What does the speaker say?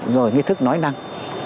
rồi nghi thức nói năng